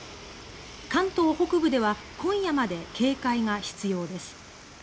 関東北部では今夜まで警戒が必要です。